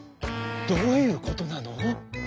「どういうことなの？